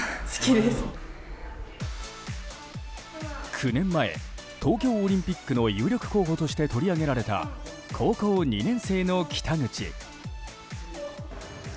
９年前、東京オリンピックの有力候補として取り上げられた高校２年生の北口。